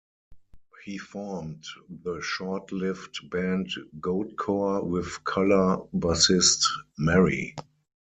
He formed the short-lived band Goatcore with Color bassist Marry.